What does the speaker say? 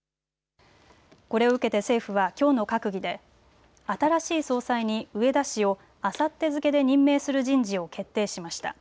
これを受けて政府はきょうの閣議で新しい総裁に植田氏をあさって付けで任命する人事を決定しました。